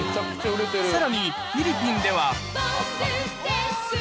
さらに、フィリピンでは。